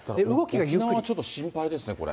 沖縄はちょっと心配ですね、これ。